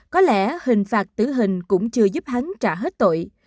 có lẽ hình phạt tử hình cũng chưa giúp hắn trả hết tội